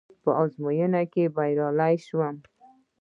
په ازموينه کې بريالی شوم.